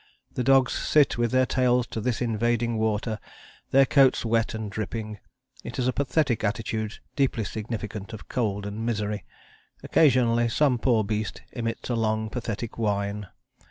The dogs sit with their tails to this invading water, their coats wet and dripping. It is a pathetic attitude deeply significant of cold and misery; occasionally some poor beast emits a long pathetic whine.